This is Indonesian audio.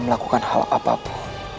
melakukan hal apapun